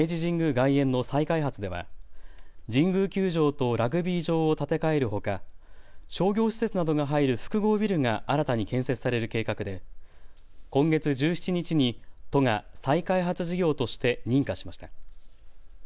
外苑の再開発では神宮球場とラグビー場を建て替えるほか、商業施設などが入る複合ビルが新たに建設される計画で今月１７日に都が再開発事業として認可しました。